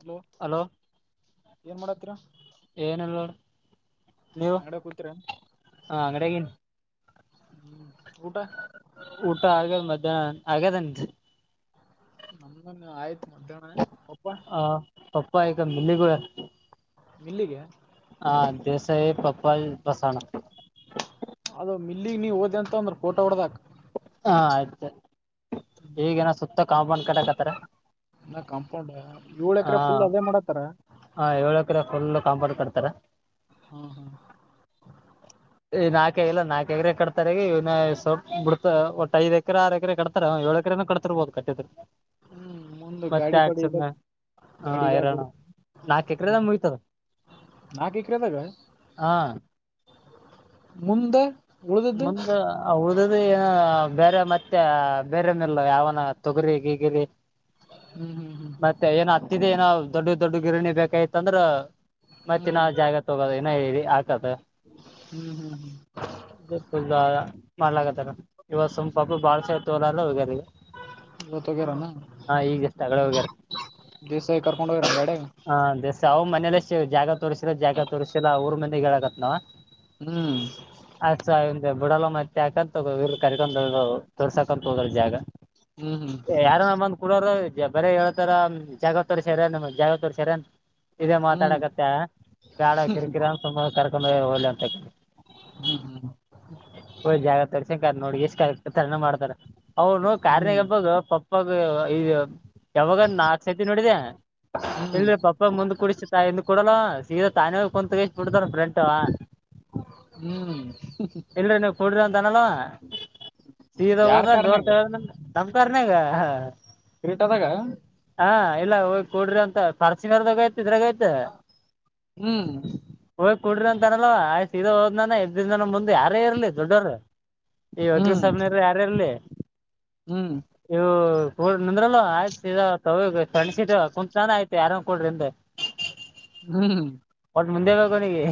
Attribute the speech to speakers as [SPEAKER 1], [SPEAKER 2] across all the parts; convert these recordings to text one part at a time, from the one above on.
[SPEAKER 1] Hello
[SPEAKER 2] hello
[SPEAKER 1] ಏನ್ ಮಾಡಾತ್ತಿರಾ.
[SPEAKER 2] ಏನಿಲ್ಲ ನೋಡ್. ನೀವು
[SPEAKER 1] ಅಂಗಡ್ಯಾಗ್ ಕುತ್ತಿರೇನ್
[SPEAKER 2] ಹ ಅಂಗಡ್ಯಾಗಿನ್
[SPEAKER 1] ಹ್ಮು ಊಟ.
[SPEAKER 2] ಊಟ ಆಗ್ಯದ ಮಧ್ಯಾಹ್ನ ಆಗ್ಯದ ಅಂತ.
[SPEAKER 1] ನಮ್ದೇನ್ ಆಯ್ತ ಮಧ್ಯಾಹ್ನ ಪಪ್ಪಾ.
[SPEAKER 2] ಪಪ್ಪಾ [unintelligible]
[SPEAKER 1] ಇಲ್ಲಿಗೆ
[SPEAKER 2] ಆ ದೇಸಾಯಿ ಪಪ್ಪಲ್ [unintelligible]
[SPEAKER 1] ಅದ ಮಿಲ್ಲಿಗ್ ನೀ ಹೋದಿ ಅಂತ ಅಂದ್ರ ಫೋಟೋ ಹೊಡದ ಹಾಕ್.
[SPEAKER 2] ಹಾ ಆಯ್ತ ಈಗೇನ ಸುತ್ತ ಕಾಂಪೌಂಡ್ ಕಟ್ಟಕತ್ತಾರ.
[SPEAKER 1] ಇನ್ ಕಾಂಪೌಂಡ್ ಏಳು ಎಕರೆ ಫುಲ್ ಅದೇ ಮಾಡಾತ್ತಾರ.
[SPEAKER 2] ಹಾ ಏಳ್ ಎಕರೆ ಫುಲ್ ಕಾಂಪೌಂಡ್ ಕಡ್ತಾರ.
[SPEAKER 1] ಹಾ ಹಾ.
[SPEAKER 2] ಈ ನಾಲ್ಕೆ ಇಲ್ಲ ನಾಕ ಎಕರೆ ಕಟ್ತಾರೆ ಈ ಇನ್ ಸ್ವಲ್ಪ ಬಿಡ್ತ ಒಟ್ಟ ಐದ ಎಕರೆ ಆರ್ ಎಕರೆ ಕಟ್ತ ಕಟ್ತಾರೆ ಹಾ ಏಳ್ ಎಕರೆನು ಕಟ್ಟತಿರ್ಬೋಕ್ ಕಟ್ಟಿದಕ್.
[SPEAKER 1] ಹ್ಮ್ ಮುಂದ್
[SPEAKER 2] ಮತ್ತೆ
[SPEAKER 1] ಗಾಡಿ
[SPEAKER 2] ಯಾಕ್
[SPEAKER 1] ಪಾಡಿ ಇದ
[SPEAKER 2] ಸುಮ್ಮ್ ಅ
[SPEAKER 1] ಗಾಡಿದಾಗ
[SPEAKER 2] ಹೈರಾಣ
[SPEAKER 1] ಹೊಡ್
[SPEAKER 2] ನಾಕ್ ಎಕರೆದಾಗ್ ಮುಗಿತದ.
[SPEAKER 1] ನಾಕ್ ಎಕ್ರೆದಾಗ
[SPEAKER 2] ಹ
[SPEAKER 1] ಮುಂದ. ಉಳ್ದದ್ದು
[SPEAKER 2] ಮುಂದ ಅ ಅವ್ ಉಳ್ದಿದು ಏನ್ ಅ ಬೇರೆ ಮತ್ತೆ ಬೇರೆ [unintelligible] ಯಾವನ ತೊಗರಿ ಗೀಗರಿ.
[SPEAKER 1] ಹ್ಮು ಹ್ಮು ಹ್ಮು.
[SPEAKER 2] ಮತ್ತೆ ಏನೋ ಹತ್ತಿದ ಏನೋ ದೊಡ್ಡು ದೊಡ್ಡು ಗಿರಣಿ ಬೇಕಾಯತ್ಂದ್ರ ಮತ್ತ್
[SPEAKER 1] ಹ್ಮ್
[SPEAKER 2] ಇನ ಜಾಗ ತಗೋದ ಇನ [unintelligible]
[SPEAKER 1] ಹ್ಮು ಹ್ಮು ಹ್ಮು.
[SPEAKER 2] [unintelligible]
[SPEAKER 1] ಇವತ್ತ್
[SPEAKER 2] ಹಾ ಈಗ್ ಎಷ್ಟ ಹಡೆ ಹೋಗ್ಯಾರ
[SPEAKER 1] ದಿವಸ ಕರ್ಕೊಂಡು ಹೋಗಿರ ಬಡೆ
[SPEAKER 2] ಹ ದೇಸ ಅವ್ ಮನೇಲ್ಲ ಜಾಗ ತೋರಿಸಸಿರ ಜಾಗ ತೋರ್ಸಿಲ್ಲ ಅವಊರ್ ಮನೆಗ್ ಹೇಳಕತ್ನಾವ
[SPEAKER 1] ಹ್ಮ್
[SPEAKER 2] ಅ ಸ ಬಿಡಲ್ಲ ಮತ್ತೆಕತ್ ತಗೋ ಕರ್ಕೊಂಡ ತೋರ್ಸಕಂತ ಹೋದ್ರ ಜಾಗ
[SPEAKER 1] ಹ್ಮ್
[SPEAKER 2] ಯಾರ ಬಂದ ಕೂಡ ಬರ ಹೇಳ್ತಾರ ಜಾಗತ್ತರ್ ಸೇರನ್ ಜಾಗತ್ತರ್ ಸೇರೇನ್ ಇದೇ
[SPEAKER 1] ಹ್ಮ್ ಹ್ಮ್
[SPEAKER 2] ಮಾತಾಡಕತ್ತ ಗಾಡ ಕಿರಿಕಿರ ತುಂಬ ಕರ್ಕೊಂಡ್ಗ
[SPEAKER 1] ಹ್ಮ್ ಹ್ಮ್
[SPEAKER 2] ಹ ಹ್ ಜಾಗ ತೋರ್ಸನ್ ನೋಡಿ ಎಷ್ಟು ತ ಮಾಡ್ತಾರೆ ಅವನು
[SPEAKER 1] ಹ್ಮ್
[SPEAKER 2] ಕಾರ್ನಿಗೆ ಹಬೋದು ಇಪ್ಪಾಗ ಇ ಯಾವಾಗ ನಾಕ ಸೈತಿ ನೋಡಿದೆ
[SPEAKER 1] ಹ್ಮ್ ಹ್ಮ್
[SPEAKER 2] ಇಲ್ ಪಪ್ಪ ಮುಂದ ಕುಡ ತ ಹಿಂದ ಕೊಡಲ್ಲ ಸೀದಾ ತಾನೇ ಒಗ ಬಿಡತಫ್ರೆಂಟ
[SPEAKER 1] ಹ್ಮ್
[SPEAKER 2] ಇಲ್ರಿ ನೀವು ಕೊಡ್ರಿ ಅಂತನಲ್ವಾ ಸೀದ
[SPEAKER 1] ಯಾರ್
[SPEAKER 2] ಹೋದ ಜೋರ್
[SPEAKER 1] ಕಾರ್ನ್ಯಾಗ
[SPEAKER 2] ತಗ ತಮ ತನಗ ಹ
[SPEAKER 1] ಕ್ರೀಟ್ ಅದಾಗ
[SPEAKER 2] ಹಾ ಇಲ್ಲ ಹೋಗ್ ಕಡಿ ಅಂತ ಪಾರ್ಸಿನರ್ದಾಗ ಆಯತು ಇದ್ರಾಗಯತ
[SPEAKER 1] ಹ್ಮ್
[SPEAKER 2] ಹೋಗ್ ಕುಡ್ರಿ ಅಂತ ಅನಲ್ ಆಯ್ ಸೀದ ಹೋದ್ನ ಎದ್ದನ ಮುಂದೆ ಯ ಯಾರ ಇರ್ಲಿ ದೊಡ್ಡೋರು ಈ ವಕೀಲ್
[SPEAKER 1] ಹ್ಮ್
[SPEAKER 2] ಸಾಬ್ನ ಯಾರ ಇರ್ಲಿ
[SPEAKER 1] ಹ್ಮ್
[SPEAKER 2] ಇವು ಕೂಡ ನಿಂದ್ರಲ್ಲ ಆಯ್ತು ತ ಕಣ್ಸವ ಕುಂತ್ ನಾನ ಆಯ್ತು ಯಾರ ಕೂಡ್ರಿದ
[SPEAKER 1] ಹ್ಮ್
[SPEAKER 2] ಒಟ್ಟ ಮುಂದೆ ಬುನಿಗೆ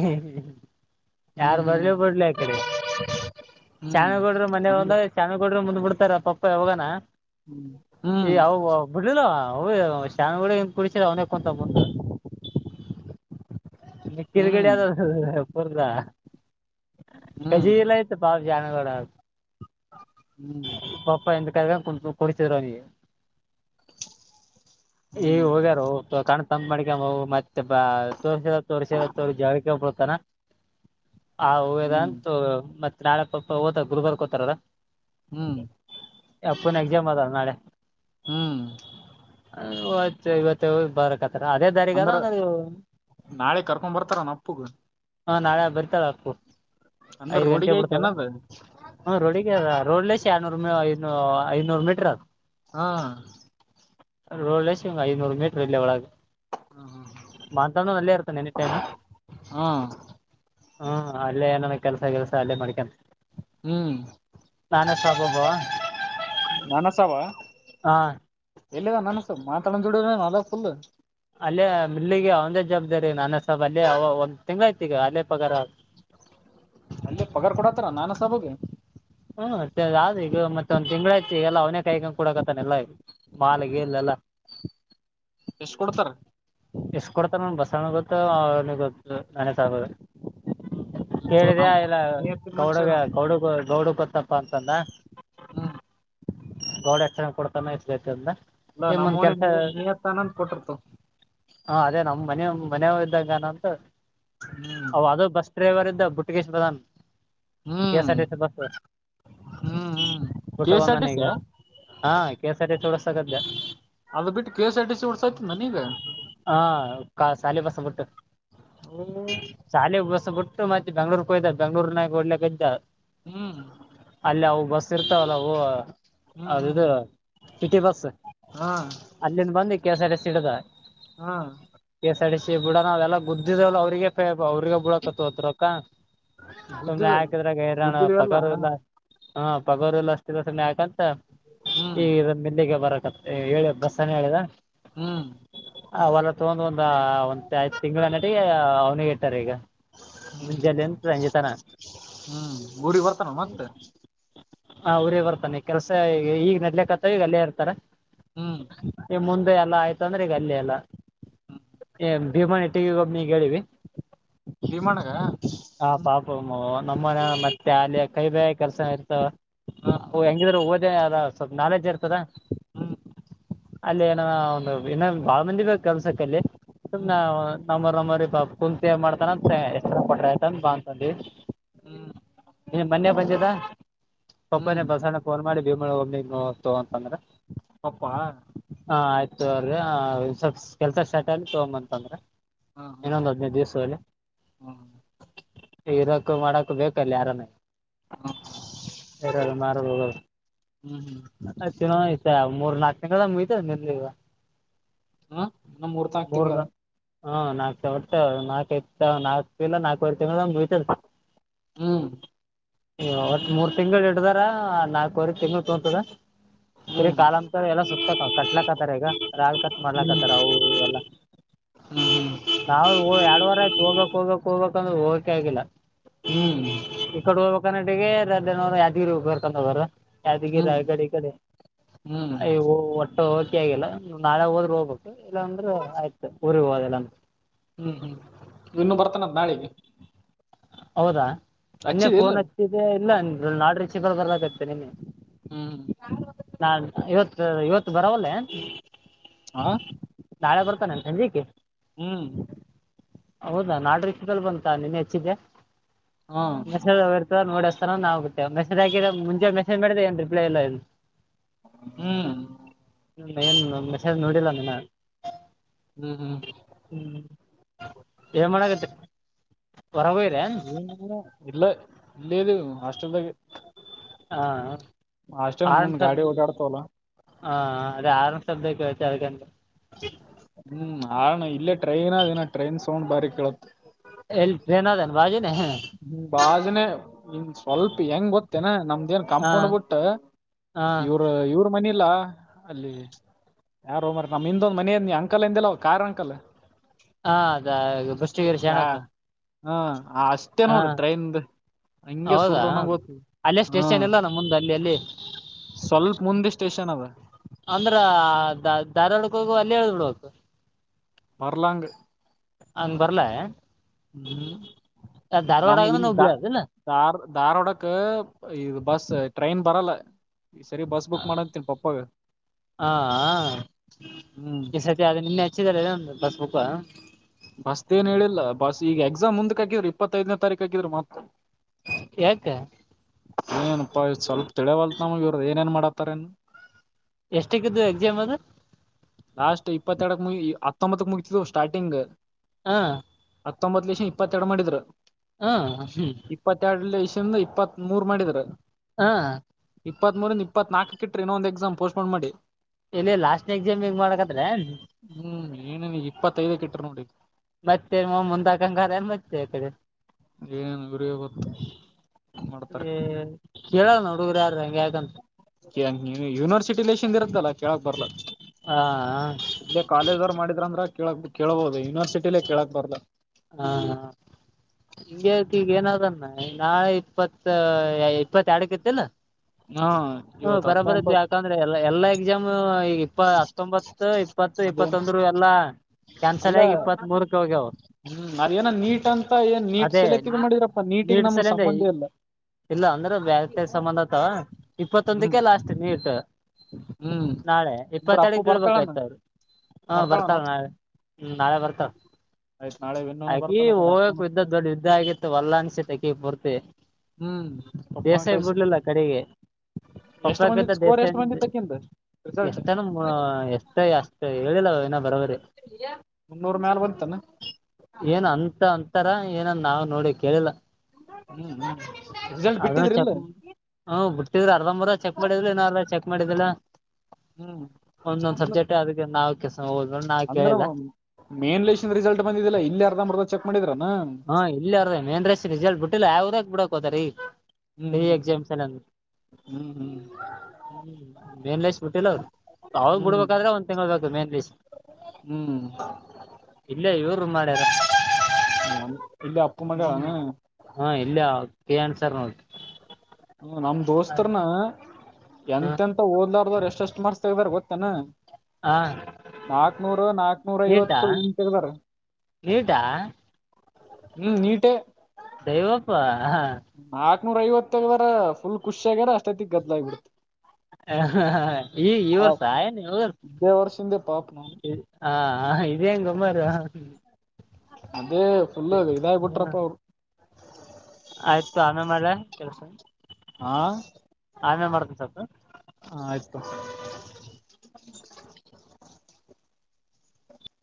[SPEAKER 2] ಯಾರು
[SPEAKER 1] ಹ್ಮ್ ಹ್ಮ್
[SPEAKER 2] ಬರ್ಲಿ ಬಿಡ್ಲಿ ಆ ಕಡೆ ಚಾಣ
[SPEAKER 1] ಹ್ಮ್
[SPEAKER 2] ಕೊಡ್ರರು ಮನೆ
[SPEAKER 1] ಅಂದ್ರ
[SPEAKER 2] ಒಂದ ಶಾಮಿಗೌಡರು ಮುಂದ್ ಬಿಡ್ತಾರ ಪಪ್ಪ ಯಾವಾಗನ
[SPEAKER 1] ಹ್ಮ
[SPEAKER 2] ಈ
[SPEAKER 1] ಹ್ಮ್
[SPEAKER 2] ಅವು ಬಿಡ್ಲಿಲ್ಲ ಶಾನಗಳ ಕುಡಸ ಅವನ ಕುಂತ ಮುಂದ್ ನಿಕ್ಕಲ್ ಗಡಿ
[SPEAKER 1] ಹ್ಮ್
[SPEAKER 2] ಯಾವದದು ಹ ಪುರ್ದ
[SPEAKER 1] ಹ್ಮ್
[SPEAKER 2] ಕಸಿ ಇಲ್ಲ ಇ ಬಪ ಜಾನಗಡ
[SPEAKER 1] ಹ್ಮ್
[SPEAKER 2] ಪಪ ಎ ಕಾಯ ಕು ಕುಡಚರ್ರುವ ನೀ ಈ ಹೋಗ್ಯಾರ ಕಣ ತ ಮಡಿಕ ಮತ್ತೆ ಬ ತೋರ್ಸಿಲ್ಲ ತೋರ್ಸಿ ತೋರ್ ಜಕ್ಕೆ ಹೋಗ್ಬಿಡ್ತಾನ ಆ
[SPEAKER 1] ಹ್ಮ್
[SPEAKER 2] ಹೂವದಂತ ಮತ್ತ ನಾಳ ಪ ಓತ ಗುರುಬರ್ ಹತಾರ
[SPEAKER 1] ಹ್ಮ್
[SPEAKER 2] ಅಪ್ಪೂನು ಎಕ್ಸಾಮ ಆದದ ನಾಳೆ
[SPEAKER 1] ಹ್ಮ್
[SPEAKER 2] ಇವತ್ತು ಇವತ್ತು ಬರಕತ್ತರ ಅದೇ ದಾರಿಗ
[SPEAKER 1] ಅಂದ್ರ
[SPEAKER 2] ಅದ ಒಂದ್ರ
[SPEAKER 1] ನಾಳೆ ಕರ್ಕೊಂಡ್ ಬರ್ತಾರ ಅವನ್ನಪ್ಪಗ
[SPEAKER 2] ಹಾ ನಾಳೆ ಬರ್ತದ ಅಕ್ಕು
[SPEAKER 1] ಅಂದ್ರ
[SPEAKER 2] ಐದ್
[SPEAKER 1] ರೋಡಿಗೆ
[SPEAKER 2] ಗಂಟೆ
[SPEAKER 1] ಐತಿ
[SPEAKER 2] ಬಿಡ್ತದ
[SPEAKER 1] ಏನದ
[SPEAKER 2] ಹ್ಮ ರೋಡಿಗೆ ರೋಡ್ ಲನೂರು ಐ ಐನೂರು ಮೀಟರ್ ಅದದು
[SPEAKER 1] ಹಾ
[SPEAKER 2] ರೋಡ್ಲ್ ಸಿವ್ ಐನೂ ಮೀಟರ್ ಇಲ್ಲ ಒಳಗೆ
[SPEAKER 1] ಹ್ಮ ಹ್ಮ ಹ್ಮ
[SPEAKER 2] ಅ ನಲ್ಲ ಇತೇನೆ ಎನಿ ಟೈಮ ಹ್ಮ್ ಅಲ್ಲೇ ಏನ ಕೆಲ್ಸ ಕೆಲ್ಸ ಅಲ್ಲೇ ಮಾಡ್ಕಂತ
[SPEAKER 1] ಹ್ಮ್
[SPEAKER 2] ನಾನೆ ಸಾಬಗೊ. -
[SPEAKER 1] ನನಸಾಬ
[SPEAKER 2] ಹಾ
[SPEAKER 1] ಎಲ್ಲಿದನ್ ನಾನಸಾಬ್ ಮಾತಾಡ ಜೋಡ್ [unintelligible] ಫುಲ್
[SPEAKER 2] ಅಲ್ಲೇ ಮಿಲ್ಲಿಗೆ ಅವಂದೇ ಜವಾಬ್ದಾರಿ ನಾನಸಬ್ ಅಲ್ಲಿ ಒಂದ್ ತಿಂಗ್ಳ್ ಈಗ ಅಲ್ಲೇ ಪಗಾರ
[SPEAKER 1] ಅಲ್ಲೆ ಪಗಾರ್ ಕೊಡತ್ತಾರ ನಾನಸಬಗ.
[SPEAKER 2] ಹ್ಮ ಆದ್ರ ಈಗ ಮತ್ತೆ ಒಂದ್ ತಿಂಗಳಾಯ್ತು ಎಲ್ಲಾ ಅವನ ಕಾಯಿಕೊಂಡ್ ಕೂಡಕತ್ತಾನೆ ಎಲ್ಲ ಈಗ ಮಾಲಿಗೇಲ್ಲ.
[SPEAKER 1] ಎಷ್ಟ್ ಕೊಡ್ತಾರ.
[SPEAKER 2] ಎಷ್ಟ ಕೊಡ್ತಾರ ಬಸ್ಸಣ ಗೊತ್ತು ಅವನಿಗೆ ಗೊತ್ತು ನನಸಾಬಗ.
[SPEAKER 1] ನಮ್
[SPEAKER 2] ಕೇಳಿದ್ಯಾ ಇಲ್ಲ
[SPEAKER 1] ನಿಯತ್ತಿನ ಮನುಷ್ಯ
[SPEAKER 2] ಗೌಡುಗ
[SPEAKER 1] ಅದ
[SPEAKER 2] ಗೌಡು ಗೌಡು ಗೊತ್ತಪ್ಪ ಅಂತಂದ.
[SPEAKER 1] ಹ್ಮ
[SPEAKER 2] ಗೌಡ ಎಕ್ಷಣ ಕೊಡ್ತಾನೆ ಇಷ್ಟೆ ಚಂದ
[SPEAKER 1] ಇಲ್ಲ ನಮ್ಮನೆ ನಿಯತ್ತನಂದ ಕೊಟ್ಟಿರ್ತು- -
[SPEAKER 2] ಹಾ ಅದೇ ನಮ್ ಮನೆ ಮನೆವರ್ ಇದ್ದಾಗನ ಅಂತ
[SPEAKER 1] ಹ್ಮ್
[SPEAKER 2] ಅವ ಅದ ಬಸ್- - ಡ್ರೈವರ್ ಇದ್ದ ಬುಟ್ಗೇಶ್ ಬದಾನ್ - ಕೆ
[SPEAKER 1] ಹ್ಮ್
[SPEAKER 2] ಸ ರ್ ಟಿಸಿ ಬಸ್ಸು
[SPEAKER 1] ಹ್ಮ್ ಹ್ಮ್ ಕೆ
[SPEAKER 2] ಬುಟ್ಟು
[SPEAKER 1] ಎಸ್ ಆರ್ ಟಿ
[SPEAKER 2] ಬಂದಾನ್
[SPEAKER 1] ಸಿ
[SPEAKER 2] ಇಗ. ಹಾ ಕೆ ಸಾರ್ ಟಿ ಸಿ ಓಡ್ಸ ಕಂತೆ
[SPEAKER 1] ಅದು ಬಿಟ್ಟು K S R T C ಒಡ್ಸತನೀಗ.
[SPEAKER 2] ಹಾ ಕ ಸಾಲಿ ಬಸ್ಸಬುಟ್ಟು.
[SPEAKER 1] [unintelligible]
[SPEAKER 2] ಶಾಲಿ ಬಸ್ಸ ಬಿಟ್ಟು ಮತ್ತೆ ಬೆಂಗ್ಳೂರ್ ಹಯ್ದ ಬ ಬೆಂಗ್ಳೂರ್ನಾಗ ಓಡ್ಲ ಬ ಇದ್ದ.
[SPEAKER 1] ಹ್ಮ್
[SPEAKER 2] ಅಲ್ಲಿ ಅವು ಬಸ್ ಇರ್ತಾವಲ್ಲ ಅವು.
[SPEAKER 1] ಹ್ಮ್
[SPEAKER 2] ಅದದು ಸಿಟಿ ಬಸ್
[SPEAKER 1] ಹಾ
[SPEAKER 2] ಅಲ್ಲಿಂದ ಬಂದು ಕೆಸ್ ಆರ್ ಎಸ್ ಇಡ್ದ
[SPEAKER 1] ಹಾ
[SPEAKER 2] ಕೆ ಸಾರ್ ಟಿ ಸಿ ಬಿಡ ನ ಅವೆಲ್ಲ ಗುದ್ದಿದ್ರವಲ್ಲ ಅವ್ರಿಗೆ ಅವ್ರಗೆ ಬಿಳಿಕತ್ ದ್ ರೊಕ್ಕ. ಸುಮ್ನೆ
[SPEAKER 1] ಗುದ್ದಿದ
[SPEAKER 2] ಹಾಕಿದ್ರ ಹೈರಾಣ
[SPEAKER 1] ಗುದ್ದಿದವಲ್ಲ
[SPEAKER 2] ಪಗಾರ ಇಲ್ಲ. ಹಾ ಪಗೋರೆಲ್ಲ ಅಷ್ಟತರ ಸಣ್ಣೆ ಯಾಕಂತ
[SPEAKER 1] ಹ್ಮ್
[SPEAKER 2] ಈ ಮೆಲ್ಲಿಗೆ ಬರಕತ್ ಹೇಳ್ಯ ಬಸ್ಸಾನ ಹೇಳ್ದ.
[SPEAKER 1] ಹ್ಮ್
[SPEAKER 2] ಅವಲ್ಲ ತಗೊಂಡ್ ಒಂದ ಒಂದ್ಐದ್ ತಿಂಗ್ಳ ನಟಿಗೆ ಅವ್ನಿಗೆ ಇಟ್ಟಾರೆ ಈಗ. [unintelligible]
[SPEAKER 1] ಊರಿಗೆ ಹೋತನ ಮತ್
[SPEAKER 2] ಹಾ ಉರಿಗ್ ಬರ್ತಾನೆ ಕೆಲ್ಸ ಈಗ್ ನಡ್ಲಕ್ತ್ತ ಈಗ ಅಲ್ಲೇ ಇರ್ತಾರ.
[SPEAKER 1] ಹ್ಮ್
[SPEAKER 2] ಮುಂದೆ ಎಲ್ಲ ಆಯ್ತ- ಅಂದ್ರ ಅಲ್ಲೆ ಎಲ್ಲ ಭೀಮಾನಟ್ಟಿಗೆಗ್ ಒಬ್ಬನಿಗ್ ಹೇಳಿವಿ.
[SPEAKER 1] ನಿಮಾಣ್ಗ -
[SPEAKER 2] ಹ ಪಾಪ ಮೊ ನಮ್ಮರ ಮತ್ತೆ ಅಲ್ಲಿ ಕೈ ಬೆಕ್ - ಕೆಲ್ಸ ಇರ್ತಾವ ಹೆಂಗಿದ್ರ ಓದೆ ಅದ ಸ್ವಲ್ಪ್ ನಾಲೆಜ್ ಇರ್ತದ
[SPEAKER 1] ಹ್ಮ್
[SPEAKER 2] ಅಲ್ಲಿ ಏನ ಒಂದು ಇನ್ನೊ ಬಾಳ ಮಂದಿ ಬೇಕ್ ಕೆಲ್ಸಕ್ಕಲ್ಲಿ ಸುಮ್ನ
[SPEAKER 1] ಹ್ಮ್
[SPEAKER 2] ನಮ್ಮರ್ ನಮ್ಮರಿ ಕುಂತ ಮಾಡ್ತಾನ ಎಷ್ಟರ ಕೊಟ್ರ ಆಯ್ತಂದ ಬಾ ಅಂತಂದಿ.
[SPEAKER 1] ಹ್ಮ್
[SPEAKER 2] ನೀ ಮೊನ್ನೆ ಬಂದಿದ್ದ. ಒಪ್ಪನೇ
[SPEAKER 1] ಹ್ಮ್
[SPEAKER 2] ಬಸಣ್ಣ ಫೋನ್ ಮಾಡಿ ಭೀಮಳ ಒಮ್ಮನಿಗೆಗ್ ತಗೊ ಅಂತಂದ್ರ.
[SPEAKER 1] ಪಪ್ಪಾ -
[SPEAKER 2] ಹಾ ಆಯ್ತು ಅವ ಸ್ವಲ್ಪ ಕೆಲ್ಸ ಸ್ಟಾರ್ಟ್ ಅಲ್ಲಿ ತಗೊಂತಂದ್ರೆ.
[SPEAKER 1] ಹಾ
[SPEAKER 2] ಇನ್ನೊಂದು ಹದ್ನೈದು ದಿವಸ ಹೋಳಿ
[SPEAKER 1] ಹಾ
[SPEAKER 2] ಇಕ ಮಾಡಕ್ ಬೇಕಲ್ಲ ಯಾರನ್ನ.....
[SPEAKER 1] ಹಾ
[SPEAKER 2] ಯಾರಾರ ಮಾರಬ
[SPEAKER 1] ಹ್ಮ್ ಹ್ಮ್
[SPEAKER 2] ಆ ತಿಿನೋಐತ ಮೂರ್ ನಾಲ್ಕು ತಿಂಗಳ ಮುತ ನಿ ಈಗ
[SPEAKER 1] ಹ ಇನ್ನು ಮೂರನಾಲ್ಕ ತಿಂಗಳು.
[SPEAKER 2] ಹ್ಮ್ ನಾಕರ್ ನಾಕೈಐತ್ ನಾಕಾ ನಾಕವರೆ ತಿಂಗಳ ಮಗಿತ. ಚ
[SPEAKER 1] ಹ್ಮ್
[SPEAKER 2] ಅವತ್ ಮೂರ್ ತಿಂಗಳು ಇಡ್ದಾರ ನಾಲ್ಕವರೆ ತಿಂಗಳು ತೊತರ. ಸರಿ
[SPEAKER 1] ಹ್ಮ್
[SPEAKER 2] ಕಾಲ ಅಂತ ಎಲ್ಲಾ ಸುತ್ತತ ಕಟ್ಲಾಕ್ತಾರ ಈಗ ರಾಲ್ ಕತ್ ಮಾಡ್ಲಾಕತಾರ
[SPEAKER 1] ಹ್ಮ್
[SPEAKER 2] ಅವು ಇವೆಲ್ಲಾ.
[SPEAKER 1] ಹ್ಮ್
[SPEAKER 2] ನಾವವು ಎಡವಾರ ಆಯ್ತ ಹೋಗಬೇಕ ಹೋಗ್ಬೇಕಕ್ಂದ್ರೆ ಹೋಗಕೆ ಆಗಿಲ್ಲ.
[SPEAKER 1] ಹ್ಮ್
[SPEAKER 2] ಈ ಕಡೆ ಹೋಗ್ಬೇಕ ಕನ್ನಡಿಗೆದನರು ಯಾದ್ಗಿರಿಗ ಬರ್ಕೊಂಡು ಹೋಗರು. ಯಾದಗಿರ
[SPEAKER 1] ಹ್ಮ್ ಹ್ಮ್
[SPEAKER 2] ಗಡಿ ಕಡೆ
[SPEAKER 1] ಹ್ಮ್
[SPEAKER 2] ಅಯ್ಯ ಒಟ್ಟು ಹೋಗಕ ಆಗಿಲ್ಲ. ನೀ್ ನಾಳೆ ಹೋದ್ರೆ ಹೋಗ್ಬೇಕು ಇಲ್ಲಾಂದ್ರೆ ಆಯ್ತ ಊರಿಗೆ ಹೋದ ಎಲ್ಲಾರ.
[SPEAKER 1] ಹ್ಮ್ ಹ್ಮ್ ಇನ್ನು ಬರ್ತಾನಂತ ನಾಳಿಗೆ.
[SPEAKER 2] ಹೌದಾ ಇನ್ನೆ
[SPEAKER 1] ಹಚ್ಚಿದಿ ಇಲ್ಲ
[SPEAKER 2] ಫೋನ್ ಹಚ್ಚಿದ್ದೆ ಇಲ್ಲ ನಾಡ್ರೀಚಿಬಾಲ್ ಬರ್ಲತ್ತೆ ನಿನ್ನ.
[SPEAKER 1] ಹ್ಮ್
[SPEAKER 2] ನಾ ಇವತ್ತು ಇವತ್ತು ಬರವಲ್ಲೆ.
[SPEAKER 1] ಆ
[SPEAKER 2] ನಾಳೆ ಬರ್ತಾನೆ ಸಂಜಕ್ಕಿ.
[SPEAKER 1] ಹ್ಮ್
[SPEAKER 2] ಹೌದಾ ನಾಟರಿಜೈಬೆಲ್ ಬಂತ ನಿನ್ ಹೆಚ್ಚಿದ್ದೆ.
[SPEAKER 1] ಹಾ
[SPEAKER 2] ಮೆಸೇಜೆ ಇರತಾವ ನೋಡಿ ಹಚ್ಚಸ್ತರ ಅಂತಾ ನಾವು ಬಿಟ್ಟವಿ ಮೆಸೇಜಕಿದೆ ಹಾಕಿದರ ಮುಂಜಾನಲ್ಲಿ ಮುಂಸೇಜ ಮಾಡಿದರ ಏನ್ ಒಂದ ರಿಪ್ಲೈ ಇಲ್ಲ.
[SPEAKER 1] ಹ್ಮ್
[SPEAKER 2] ಏನ್ ಮೆಸೇಜ್ ನೋಡಿಲ್ಲ ನೀನ.
[SPEAKER 1] ಹ್ಮ ಹ್
[SPEAKER 2] ಹ್ಮ ಏನ್ ಮಾಡಾಕತ್ತಿರಿ..... ಹೊರಗ ಹೋಗಿರಿ.
[SPEAKER 1] ಏನ್ ಇಲ್ಲ... ಇಲ್ಲ. ಲದ ಹಾಸ್ಟೆಲಾದಗೆ...
[SPEAKER 2] ಹಾಂ ಹಾಂ
[SPEAKER 1] ಹಾಸ್ಟೆಲ್ ಮುಂದ ಗಾಡಿ ಓದಾಡ್ತಲ್ಲ.
[SPEAKER 2] ಹಾ ಅದೇ ಆರ ಶಬ್ದಕ್ಕೆ ಅ ಗಂಟೆ [unintelligible]
[SPEAKER 1] ಹ್ಮ್ ಹರ್ನ್ ಇಲ್ಲೇ ಟ್ರೈನ್ ಅದೇನ ಟ್ರೈನ್ ಸೌಂಡ್ ಬಾರಿ ಕೇಳುತ್ತೆ.
[SPEAKER 2] ಎಲ್ಲಿ ಟ್ರೈನ ಇದೆ ಬಾಜುಕ್.
[SPEAKER 1] ಹ ಬಾಜನೆ ಇನ್ ಸ್ವಲ್ಪ ಹೆಂಗ್ ಗೊತ್ತೇನಾ ನಮ್ದೇನ್. ಕಾಂಪೊನ್ಡ್ ಬಿುಟ್ಟ
[SPEAKER 2] ಹಾ
[SPEAKER 1] ಇವ್ರ ಇವ್ರ ಮನಿಲ್ಲ ಅಲ್ಲಿ. ಯಾರೋಮ ನಮ್ಮ ಹಿಂದೊಂದ ಮನೇ ನೀ ಅಂಕಲ್ ಎಂದಿಲ್ಲ ಕಾರ್ ಅಂಕಲ್.
[SPEAKER 2] ಹಾ ಅದ ಬೃಸ್ಗರ ಶರಣಪ್ಪ.
[SPEAKER 1] ಹ್ಮ ಅಷ್ಟ. ಮತ್ತೆ
[SPEAKER 2] ಹಾ
[SPEAKER 1] ನೋಡ್ರಿ ಟ್ರೈನ್ ಹಂಗ
[SPEAKER 2] ಹೌದಾ
[SPEAKER 1] ಸುರನಂಗ ಗೊತ್ತು....
[SPEAKER 2] ಅಲ್ಲೇ
[SPEAKER 1] ಹಾ
[SPEAKER 2] ಸ್ಟೇಷನ್ ಇಲ್ಲ ನಮ್ಮ ಮುಂದೆ ಅಲ್ಲಿ ಅಲ್ಲಿ
[SPEAKER 1] ಸ್ವಲ್ಪ ಮುಂದೆ ಸ್ಟೇಷನ್ ಅದ
[SPEAKER 2] ಅಂದ್ರ ದ ದ ಧಾರವಾಡಕ್ಕೆ ಹೋಗು ಅಲ್ಲಿ ಇಳ್ದ್ ಬಿಡ್ಬೇಕು.
[SPEAKER 1] ಬರ್ಲಾಂಗ.
[SPEAKER 2] ಹಂಗ ಬರ್ಲ
[SPEAKER 1] ಹ್ಮ್
[SPEAKER 2] ಧಾರ್ವಾಡಾಗ ನ ಹುಬ್ಬಳ್ಳಿ ಆತಾ ಏನ್
[SPEAKER 1] ದಾರ್ ಧಾರ್ವಾಡಕ್ ಇದು ಬಸ್ ಟ್ರೈನ್ ಬರಲ್ಲ. ಈ ಸರಿ ಬಸ್ ಬುಕ್ ಮಾಡಂತನಿ ಪಪ್ಪಾಗ.....
[SPEAKER 2] ಹಾ
[SPEAKER 1] ಹ್ಮ್
[SPEAKER 2] ಈ ಸತಿ ಅದು ನಿನ್ನೆ ಹಚ್ಚಿದಿದ್ದಾರೆ ಒಂದು ಬಸ್ ಬುಕ್.
[SPEAKER 1] ಬಸ್ತ್ ಏನ್ ಹೇಳಿಲ್ಲ ಬಸ್ ಈಗ ಎಕ್ಸಾಮ್ ಮುಂದಕ್ಕಾಗಗಿದ್ರು ಇಪ್ಪತ್ತೈದನೇ ತಾರೀಕ ಆಗಿದ್ರು ಮತ್ತೆ
[SPEAKER 2] ಏಕಾ
[SPEAKER 1] ಏನಪ್ಪಾ್ ಸ್ವಲ್ಪ ತಿಳವಲ್ತ್ ನಮಗ ಇವ್ರ ಏ ಏನ್ ಮಾಡಕತಾರ ಏನ್.
[SPEAKER 2] ಎಷ್ಟಿಕ್ಕಿದ್ದು ಎಕ್ಸಾಮ್ ಅದು
[SPEAKER 1] ಲಾಸ್ಟ್ ಇಪ್ಪತ್ತೆರಡಕ್ ಮುಗ ಹತ್ತೊಂಬತ್ತಕ್ ಮುಗಿತಿದ್ದವು ಸ್ಟಾರ್ಟಿಂಗ್
[SPEAKER 2] ಹಾ
[SPEAKER 1] ಹತ್ತೊಂಬತ್ತುಲೇಶಿ ಇಪ್ಪತ್ತೆರಡು ಮಾಡಿದ್ರು.
[SPEAKER 2] ಹಾ ಹ್ಮ್
[SPEAKER 1] ಇಪ್ಪತ್ತೆರಡುಲೇಶಿಂದ ಇಪ್ಪತ್ ಮೂರ್ ಮಾಡಿದ್ರು.
[SPEAKER 2] ಹಾ
[SPEAKER 1] ಇಪ್ಪತ್ ಮೂರಂದ ಇಪ್ಪತ್ನಾಲು ಇಟ್ರ ಇನ್ನೊಂದು ಎಕ್ಸಾಮ್ ಪೋಸ್ಟ್ಪೊನ್ ಮಾಡಿ
[SPEAKER 2] ಇಲ್ಲಿ ಲಾಸ್ಟ್ ಎಕ್ಸಾಮ್ ಹೆಂಗ್ ಮಾಡಕಾದ್ರ
[SPEAKER 1] ಹ್ಮ್ ಏನೇನ ಇಪ್ಪತ್ತೈದಕ್ ಇಟ್ರ ನೋಡಿ
[SPEAKER 2] ಮತ್ತೆ ಮುಂದಾಕಂಂಗನ್ ಮತ್ತೆ ಈ ಕಡೆ
[SPEAKER 1] ಏನೇನು ಗುರಿಯಬತ್ತ ಮಾಡ್ತಾರೆ
[SPEAKER 2] ಕೇಳೋಲ್ಲ ನ ಹುಡುಗರು ಯಾರು ಹೆಂಗೆ ಆಯ್ತಂತ
[SPEAKER 1] ನೀ ಯೂನಿವರ್ಸಿಟಿ ಲೇೇಶನ್ ಇರತ್ತಲ್ಲ ಕೇಳಕ್ ಬರ್ಲ
[SPEAKER 2] ಹಾ
[SPEAKER 1] ಇೇ ಕಾಲೇಜ್ವ್ರು ಮಾಡಿದ್ರಂದ್ರ ಕೇಳಕ್ ಕೇಳಬಹುದು ಯೂನಿವರ್ಸಿಟಿಲಿೇ ಕೇಳಕ್ ಬಾರಲ್ಲ
[SPEAKER 2] ಹಾ ಹಾ ಹಂಗಗೆತಿ ಈಗ ಏನಾದನ್ನ ನಾಳೆ ಇಪ್ಪತ್ ಇಪ್ಪತ್ತ ಎಡಕ ಇತ್ತಲ್ಲ
[SPEAKER 1] ಹಾ
[SPEAKER 2] ಹ್ಮ
[SPEAKER 1] ಇವತ್
[SPEAKER 2] ಬರಬರದ್ವಿ
[SPEAKER 1] ಹತ್ತೊಂಬತ್
[SPEAKER 2] ಯಾಕಂದ್ರೆ ಎಲ್ಲ ಎಲ್ಲಾ ಎಕ್ಸಾಮ್ ಈ ಇಪ್ಪ ಹತ್ತೊಂಬತ್ತು ಇಪ್ಪತ್ತು
[SPEAKER 1] ಅದೇನ್
[SPEAKER 2] ಇಪ್ಪತ್ತೊಂದರು ಎಲ್ಲಾ ಕ್ಯಾನ್ಸಲ್
[SPEAKER 1] ಅಲ್ಲ
[SPEAKER 2] ಆಗಿ ಇಪ್ಪತ್ ಮೂರಕ್ ಹೋಗ್ಯಾವ.
[SPEAKER 1] ಹ್ಮ್ ನ್ರ ಏನ ನೀಟ್ ಅಂತ ಏನ್ ನೀಟ್
[SPEAKER 2] ಅದೇ
[SPEAKER 1] ಸೆಲೆಕ್ಟ್ ಮಾಡಿರಪ್ಪಾ ನೀಟಿಗೆ
[SPEAKER 2] ನೀಟ್
[SPEAKER 1] ನಮ್ಗ್
[SPEAKER 2] ಸಲಿಂದ
[SPEAKER 1] ಸಂಬಂಧೇ ಇಲ್ಲ.
[SPEAKER 2] ಇಲ್ಲ ಅಂದ್ರೆ ಬ್ಯಥ ಸಂಬಂಧ ಆತವಾ
[SPEAKER 1] ಹ್ಮ್
[SPEAKER 2] ಇಪ್ಪತ್ತೊಂದಕ್ಕೆ ಲಾಸ್ಟ್ ನೀಟ್
[SPEAKER 1] ಹ್ಮ್ ಅಂದ್ರ
[SPEAKER 2] ಪತಾಳಿ
[SPEAKER 1] ಅಪ್ಪು
[SPEAKER 2] ಕ ಇಳ್ಬೇಕಾಯ್ತ
[SPEAKER 1] ಬರ್ತಾಳನ
[SPEAKER 2] ಅವ್ರರು ಹ
[SPEAKER 1] ಬರ್ತಾಳನ
[SPEAKER 2] ಬರ್ತಾವ ನಾಳೆ ಹ್ಮ ನಾಳೆ ಬರ್ತಾವ.
[SPEAKER 1] ಆಯ್ತ್ ನಾಳೆ ವೆನ್ನುನು
[SPEAKER 2] ಅಕಿ
[SPEAKER 1] ಬರ್ತಾನ ಆ ಕಡೆ
[SPEAKER 2] ಹೋಗಕ್
[SPEAKER 1] ಅಪ್ಪನು
[SPEAKER 2] ಯುದ್ದ
[SPEAKER 1] ಬರ್ತಾನ
[SPEAKER 2] ದೊಡ್ಡ ಯುದ್ದ ಆಗಿತ್ತು ಒಲ್ಲ ಅನ್ಸತೆ ಅಕಿಗಿ ಪೂರ್ತಿ
[SPEAKER 1] ಹ್ಮ್ ಪಪ್ಪಾನ
[SPEAKER 2] ದೇಸಾಯ
[SPEAKER 1] ಕಳಿಸಿರ
[SPEAKER 2] ಬಿಡ್ಲಿಲ್ಲ ಕಡೆಗೆ
[SPEAKER 1] ಎಷ್ಟ್
[SPEAKER 2] ಕೊಪ್ಪಕತ
[SPEAKER 1] ಬಂದಿತ್ ಸ್ಕೋರ್ ಎಷ್ಟ್
[SPEAKER 2] ದೇಸಂದ್
[SPEAKER 1] ಬಂದಿತ್ ಅಕಿಂದ ರಿಸಲ್ಟ್
[SPEAKER 2] ಎಷ್ಟನ ಎಷ್ಟ ಹೇಳಿಲ್ಲ ಅವ ಏನ ಬರೋಬರಿ
[SPEAKER 1] ಮುನ್ನೂರ ಮ್ಯಾಲ ಬಂತನ
[SPEAKER 2] ಏನ್ ಅಂತ ಅಂತಾರ ಏನನ್ ನಾವ ನೋಡಿ ಕೇಳಿಲ್ಲ.
[SPEAKER 1] ಹ್ಮ ಹ್ಮ ರಿಸಲ್ಟ್ ಬಿಟ್ಟಿದ್ರಿಲ್
[SPEAKER 2] ಹ್ಮ್ ಬಿಟ್ಟಿದ್ರಿ ಅರ್ಧಂಬರ್ಧ ಚೆಕ್ ಮಾಡಿದ್ರಿ ಇ ನ ಚೆಕ್ ಮಾಡಿದಿಲ್ಲಾ
[SPEAKER 1] ಹ್ಮ್
[SPEAKER 2] ಒಂದೊಂದ್
[SPEAKER 1] ಅಂದ್ರ
[SPEAKER 2] ಸಬ್ಜೆಕ್ಟ್ ಅದಕ್ಕೆ ನಾವು ಕೆಸ ಹೋದ ನಾ
[SPEAKER 1] ಅಂದ್ರ ಮೇನ್ಲೇಶಿಂದ್ ರಿಸಲ್ಟ್ ಬಂದಿದ್ದಿಲ್ಲಾ ಇಲ್ಲಿ ಅರ್ಧ ಮರ್ದ ಚೆಕ್ ಮಾಡಿದ್ರಾನ
[SPEAKER 2] ಹಾ ಇಲ್ಲಿ ಅರ್ದ ಮೇನ್ಲೇಸಿಂದ ರಿಸಲ್ಟ್ ಬಿಟ್ಟಿಲ್ಲ ಯಾವದಾಗ ಬಿಡಕ್ ಹೋದರೀಗ್
[SPEAKER 1] ಹ್ಮ್
[SPEAKER 2] ಎಕ್ಸಾಮ ಚ ನ
[SPEAKER 1] ಹ
[SPEAKER 2] ಹ್ಮ್ ಮೇನ್ ಲೈಸ್ ಬಿಟ್ಟಿಲ್ಲ ಅವರು ಅವಾಗ್
[SPEAKER 1] ಹ್ಮ್
[SPEAKER 2] ಬಿಡ್ಬೇಕಾದ್ರೆಂದ್ ತಿಂಗ್ಗಳು ಬೇಕು ಮೇನ್ ಲೈಸ್
[SPEAKER 1] ಹ್ಮ್
[SPEAKER 2] ಇಲ್ಲ ಇವರು ಮಾಡ್ಯಾರ
[SPEAKER 1] ಇಲ್ಲ ಅಪ್ಪು ಮಳಣ
[SPEAKER 2] ಹ್ಮ್ ಹಾ ಇಲ್ಲ ಕೆ ಅನ್ಸರ್ ನೋಡ್
[SPEAKER 1] ಹ ನಮ ದೋಸ್ತರನ
[SPEAKER 2] ಹ
[SPEAKER 1] ಎಂತ ಓದಲಾರ್ದವ್ರು ಎಷ್ಟ ಎಷ್ಟ ಮಾರ್ಕ್ಸ್ ತೆಗ್ದವುರ್ ಗೊತ್ತೇನಾ
[SPEAKER 2] ಹ
[SPEAKER 1] ನಾಕ್ನೂರು ನಾಕ್ನೂರ
[SPEAKER 2] ನೀಟಾ
[SPEAKER 1] ಐವತ್ತು ಇದಾರ
[SPEAKER 2] ನೀಟಾ
[SPEAKER 1] ಹ್ಮ್ ನೀಟೇ
[SPEAKER 2] ದೈವಪ್ಪ ಹ
[SPEAKER 1] ನಾಕ್ರ ಐವತ್ತಗದಾರ ಫುಲ್ ಖುಷಿ ಆಗಾರ ಅಷ್ಟೈತ್ತಗ ಗದಲ ಆಗ್ಬಿಡ್
[SPEAKER 2] ಈ ಇವರ್
[SPEAKER 1] ಪಾಪ್
[SPEAKER 2] ಸಾಯನು ಇವ
[SPEAKER 1] ಇದೇ ವರ್ಷಿಂದೆ ಪಾಪ ನಾನು
[SPEAKER 2] ಹಾ ಇದೇಂಗ ಗೊಮ್ಮಾರ
[SPEAKER 1] ಅದೇ ಫುಲ್ ಇದಾಯ ಬಿಟ್ರಪ್ಪ ಅವ್ರು
[SPEAKER 2] ಆಯ್ತು ಆಮೆ ಮಾಡೆ ಕೆಲ್ಸ
[SPEAKER 1] ಹಾ
[SPEAKER 2] ಮಾಡ್ತೀನಿ ಸ್ವಲ್ಪ
[SPEAKER 1] ಹ ಆಯ್ತಾ